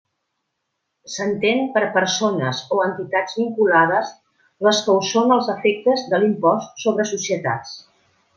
S'entén per persones o entitats vinculades les que ho són als efectes de l'impost sobre societats.